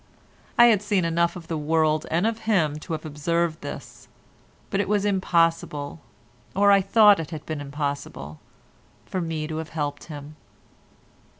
I had seen enough of the world and of him to have observed this, but it was impossible, or I thought it had been impossible, for me to have helped him.